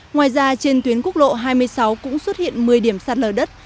ngoài ra trên tuyến quốc lộ hai mươi sáu cũng xuất hiện một mươi điểm sạt lở đất